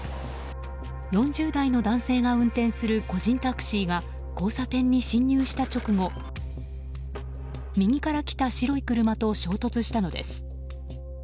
４０代の男性が運転する個人タクシーが交差点に進入した直後右から来た白い車と衝突したのです。